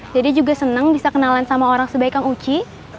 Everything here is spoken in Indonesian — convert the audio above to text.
dede juga senang bisa kenalan sama orang sebaik kang uci